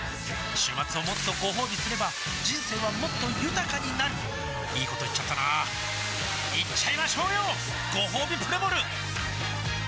週末をもっとごほうびすれば人生はもっと豊かになるいいこと言っちゃったなーいっちゃいましょうよごほうびプレモル